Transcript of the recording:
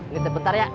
ngitip bentar ya